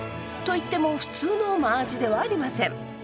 といっても普通のマアジではありません！